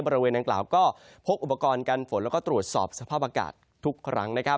บริเวณดังกล่าวก็พกอุปกรณ์กันฝนแล้วก็ตรวจสอบสภาพอากาศทุกครั้งนะครับ